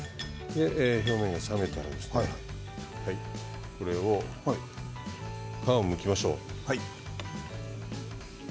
冷めたら皮をむきましょう。